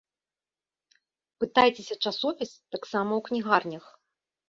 Пытайцеся часопіс таксама ў кнігарнях.